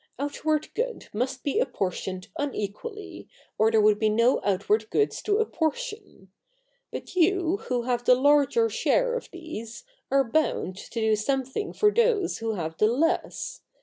Outward good must be apportioned unequally, or there would be no outward goods to apportion. But you who have the larger share of these are bound to do something for those who have the less.